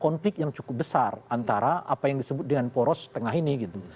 konflik yang cukup besar antara apa yang disebut dengan poros tengah ini gitu